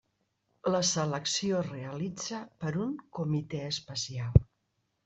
La selecció es realitza per un comitè especial.